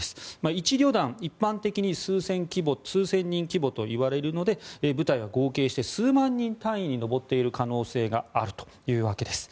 １旅団、一般的に数千人規模といわれるので部隊は合計して数万人単位に上っている可能性があるというわけです。